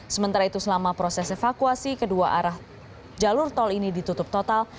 sementara itu selama proses evakuasi kedua arah jalur tol ini ditutup total